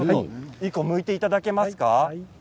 １個むいていただけますか。